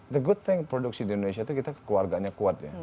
the good thing produksi di indonesia itu kita keluarganya kuat ya